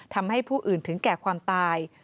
ทำให้ผู้อื่นถึงแก่ความตาย